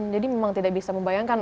jadi memang tidak bisa membayangkan